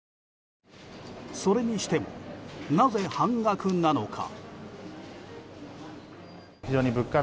それにしても、なぜ半額なのか。